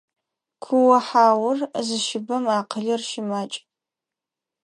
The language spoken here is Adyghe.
Куо-хьаур зыщыбэм акъылыр щымакӏ.